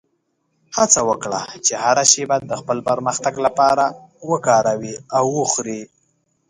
هڅه وکړه چې هره شېبه د خپل پرمختګ لپاره وکاروې او وخورې.